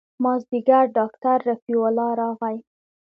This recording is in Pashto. مازديګر ډاکتر رفيع الله راغى.